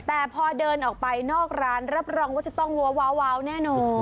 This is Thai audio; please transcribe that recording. แต่พอเดินออกไปนอกร้านรับรองว่าจะต้องว้าวแน่นอน